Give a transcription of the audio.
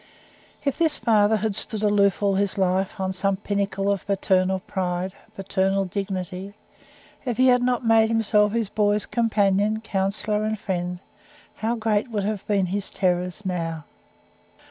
If this father had stood aloof all his life, on some pinnacle of paternal "pride," paternal "dignity" if he had not made himself his boys' companion, counsellor, and friend, how great would have been his terrors now!